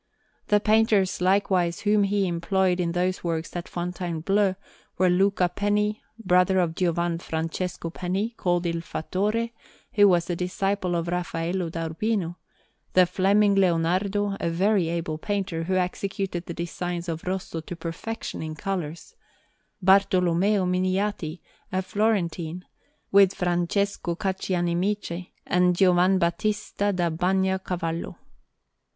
The painters, likewise, whom he employed in those works at Fontainebleau, were Luca Penni, brother of Giovan Francesco Penni, called Il Fattore, who was a disciple of Raffaello da Urbino; the Fleming Leonardo, a very able painter, who executed the designs of Rosso to perfection in colours; Bartolommeo Miniati, a Florentine; with Francesco Caccianimici, and Giovan Battista da Bagnacavallo.